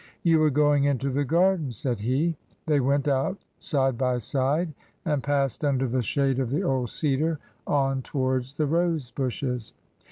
" You were going into the garden," said he. They went out side by side, and passed under the shade of the old cedar on towards the rose bushes.